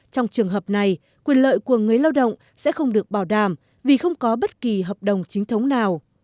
trong trường hợp này quyền lợi của người lao động sẽ không được bảo đảm vì không có bất kỳ hợp đồng chính thống nào